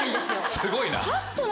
すごいな。